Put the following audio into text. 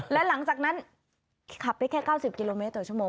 และหลังจากนั้นขับได้แค่๙๐กิโลเมตรต่อชั่วโมง